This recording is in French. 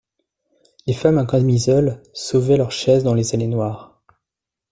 Les femmes en camisole sauvaient leurs chaises dans les allées noires.